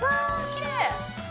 きれい！